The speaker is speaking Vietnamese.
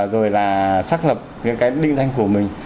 rồi là xác lập những cái định danh của mình